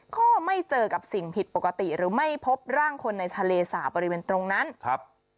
ก็ไม่เจอกับสิ่งผิดปกติหรือไม่พบร่างคนในทะเลสาบบริเวณตรงนั้นครับ